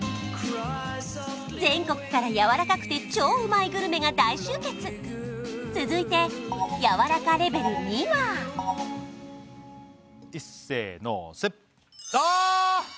全国からやわらかくて超うまいグルメが大集結続いてやわらかレベル２はいっせーのせあーっ！